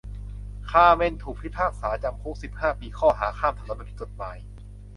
คาร์เมนถูกพิพากษาจำคุกสิบห้าปีข้อหาข้ามถนนแบบผิดกฎหมาย